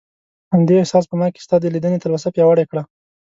همدې احساس په ما کې ستا د لیدنې تلوسه پیاوړې کړه.